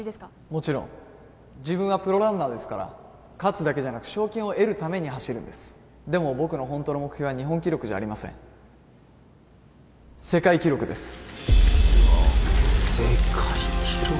もちろん自分はプロランナーですから勝つだけじゃなく賞金を得るために走るんですでも僕のホントの目標は日本記録じゃありません世界記録です世界記録